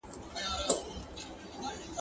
د بل چا مذهب ته توهين او سپکاوی مه کوئ.